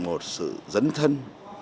một sự dấn thân